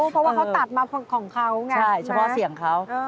เพราะว่าเขาตัดมาของเขาไงใช่เฉพาะเสียงเขา